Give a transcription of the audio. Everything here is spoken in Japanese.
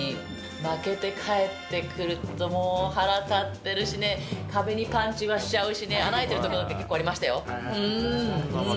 負けて帰ってくると、もう腹立ってるしね、壁にパンチはしちゃうしね、穴開いてる所とか結構ありましたよ。